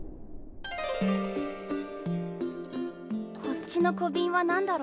こっちの小瓶はなんだろ？